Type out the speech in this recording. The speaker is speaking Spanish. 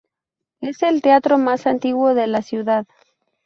Es el teatro más antiguo de la ciudad.